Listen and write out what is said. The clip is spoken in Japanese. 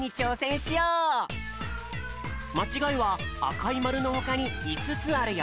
まちがいはあかいまるのほかに５つあるよ。